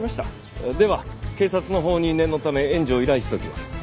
では警察のほうに念のため援助を依頼しておきます。